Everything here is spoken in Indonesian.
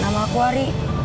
nama aku ari